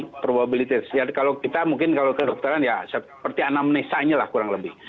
kalau kita mungkin kalau kedokteran ya seperti anamnesanya lah kurang lebih